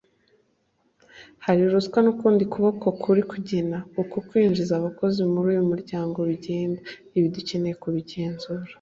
Hari ruswa n’ukundi kuboko kuri kugena uko kwinjiza abakozi muri uyu muryango bigenda; Ibi dukeneye kubigenzura